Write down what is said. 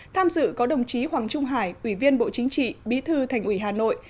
tham dự có đồng chí hoàng trung hải ủy viên bộ chính trị bí thư thành ủy hà nội